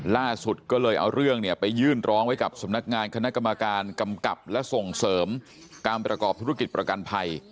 ล่าสุดก็เลยเอาเรื่องเนี่ยไปยื่นร้องไว้กับสำนักงานคณะกรรมการกำกับและส่งเสริมการประกอบธุรกิจประกันภัย